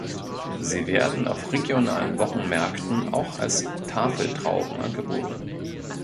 Sie werden auf regionalen Wochenmärkten auch als Tafeltrauben angeboten.